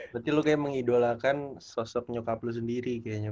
berarti lu kayak mengidolakan sosok nyokap lo sendiri kayaknya